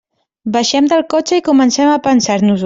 Baixem del cotxe i comencem a pensar-nos-ho.